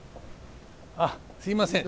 あっすいません。